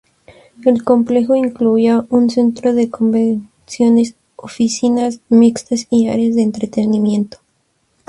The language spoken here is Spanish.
El complejo incluía un centro de convenciones, oficinas mixtas y áreas de entretenimiento.